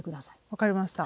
分かりました。